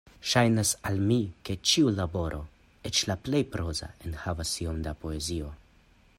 Ŝajnas al mi, ke ĉiu laboro, eĉ la plej proza, enhavas iom da poezio.